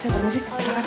yuk saya taruh si